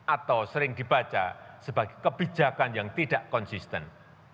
atau sering dibaca sebagai kebijakan yang tidak konsisten